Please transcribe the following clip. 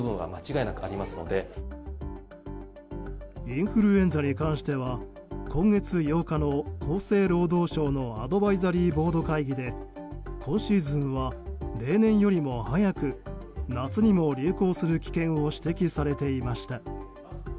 インフルエンザに関しては今月８日の、厚生労働省のアドバイザリーボード会議で今シーズンは例年よりも早く夏にも流行する危険を指摘されていました。